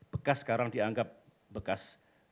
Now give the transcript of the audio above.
bekas sekarang dianggap bekas